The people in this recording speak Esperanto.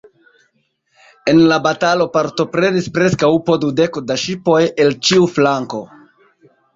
En la batalo partoprenis preskaŭ po dudeko da ŝipoj el ĉiu flanko.